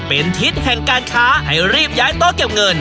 เป็นทิศแห่งการค้าให้รีบย้ายโต๊ะเก็บเงิน